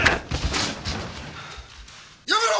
やめろ！